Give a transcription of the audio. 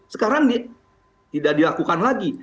sekarang tidak dilakukan lagi